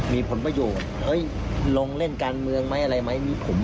มีผลประโยชน์ลงเล่นการเมืองไหมอะไรไหม